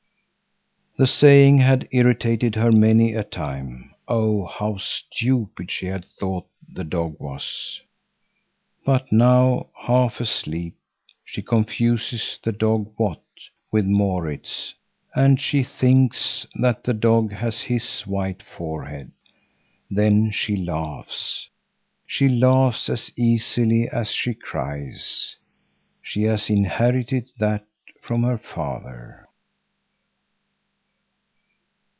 The saying had irritated her many a time. Oh, how stupid she had thought the dog was! But now half asleep, she confuses the dog "What" with Maurits and she thinks that the dog has his white forehead. Then she laughs. She laughs as easily as she cries. She has inherited that from her father.